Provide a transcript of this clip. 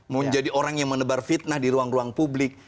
menjadi orang yang menebar fitnah di ruang ruang publik